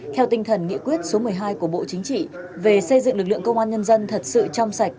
theo tinh thần nghị quyết số một mươi hai của bộ chính trị về xây dựng lực lượng công an nhân dân thật sự trong sạch